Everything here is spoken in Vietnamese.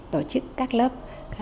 tổ chức các lớp